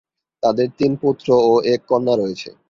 তাদের তিন পুত্র ও এক কন্যা রয়েছে।